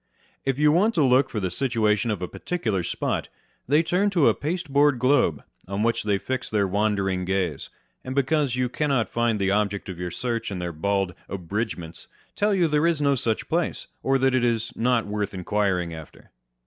If you want to look for the situation of a particular spot, they turn to a pasteboard globe, on which they fix their wandering gaze ; and because you cannot find the object of your search in their bald " abridgements," tell you there is no such place, or that it is not worth inquiring after.